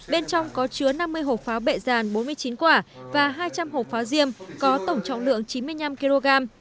bên trong có chứa năm mươi hộp pháo bệ giàn bốn mươi chín quả và hai trăm linh hộp pháo diêm có tổng trọng lượng chín mươi năm kg